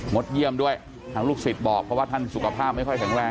ดเยี่ยมด้วยทางลูกศิษย์บอกเพราะว่าท่านสุขภาพไม่ค่อยแข็งแรง